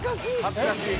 恥ずかしい？